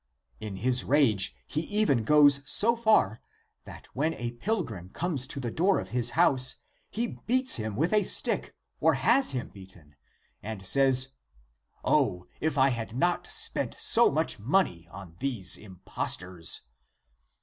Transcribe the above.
^2. THE APOCRYPHAL ACTS (In his rage he feven goes) so far that, when a pilgrim comes to the door of his house, he beats him with a stick or has him beaten, and says, ' O, if I had not spent so much money on those impostors